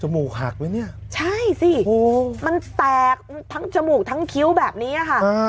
มูกหักไหมเนี่ยใช่สิมันแตกทั้งจมูกทั้งคิ้วแบบนี้ค่ะ